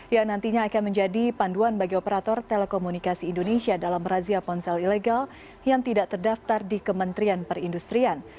yang nantinya akan menjadi panduan bagi operator telekomunikasi indonesia dalam razia ponsel ilegal yang tidak terdaftar di kementerian perindustrian